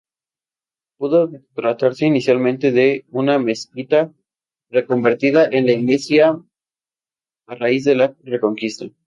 Pudo tratarse inicialmente de una mezquita reconvertida en iglesia a raíz de la Reconquista.